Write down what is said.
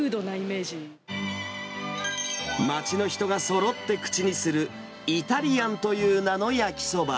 街の人がそろって口にする、イタリアンという名の焼きそば。